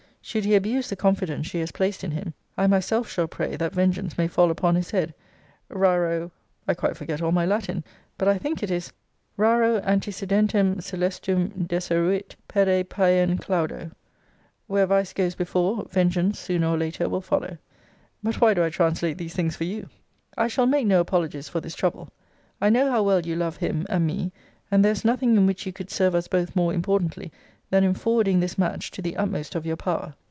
Should he abuse the confidence she has placed in him, I myself shall pray, that vengeance may fall upon his head Raro I quite forget all my Latin; but I think it is, Raro antecedentem scelestum deseruit pede paean claudo: where vice goes before, vengeance (sooner or later) will follow. But why do I translate these things for you? I shall make no apologies for this trouble. I know how well you love him and me; and there is nothing in which you could serve us both more importantly, than in forwarding this match to the utmost of your power.